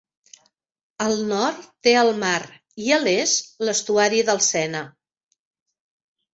Al nord té el mar i a l'est, l'estuari del Sena.